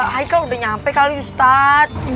hekel udah nyampe kali ustaz